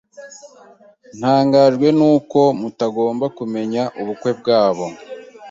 Ntangajwe nuko mutagomba kumenya ubukwe bwabo.